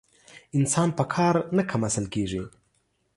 انسان په کار نه کم اصل کېږي.